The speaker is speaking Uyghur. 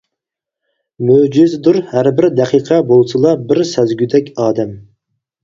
مۆجىزىدۇر ھەر بىر دەقىقە بولسىلا بىر سەزگۈدەك ئادەم.